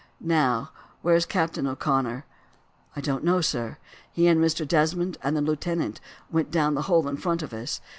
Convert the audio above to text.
Now, where's Captain O'Connor?" "I don't know, sir. He and Mr. Desmond and the lieutenant went down the hole in front of us.